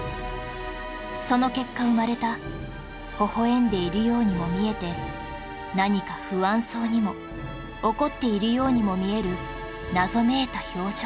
その結果生まれたほほ笑んでいるようにも見えて何か不安そうにも怒っているようにも見える謎めいた表情